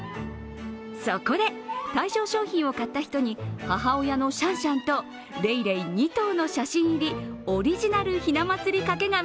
そこで対象商品を買った人に母親のシャンシャンとレイレイ２頭の写真入りオリジナルひな祭り掛け